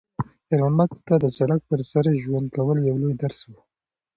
خیر محمد ته د سړک پر سر ژوند کول یو لوی درس و.